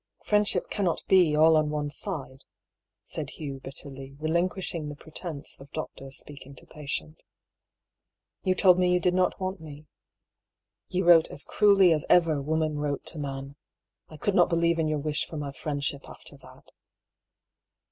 " Friendship cannot be all on one side," said Hugh bitterly, relinquishing the pretence of doctor speaking to patient. " You told me you did not want me. You wrote as cruelly as over woman wrote to man. I could not believe in your wish for my friendship after that."